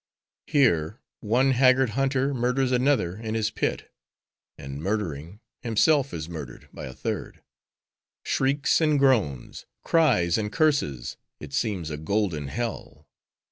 Here, one haggard hunter murders another in his pit; and murdering, himself is murdered by a third. Shrieks and groans! cries and curses! It seems a golden Hell!